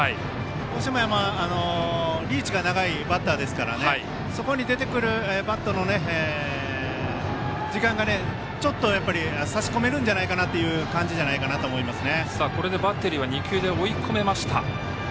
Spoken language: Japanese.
どうしてもリーチが長いバッターですからそこに出てくるバットの時間がちょっと差し込めるんじゃないかなという感じじゃないかなと思いますね。